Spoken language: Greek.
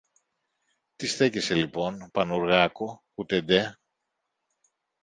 Τι στέκεσαι λοιπόν, Πανουργάκο, κουτεντέ;